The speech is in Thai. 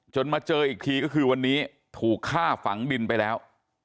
มาเจออีกทีก็คือวันนี้ถูกฆ่าฝังดินไปแล้ว